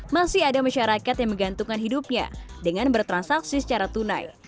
masih ada masyarakat yang menggantungkan hidupnya dengan bertransaksi secara tunai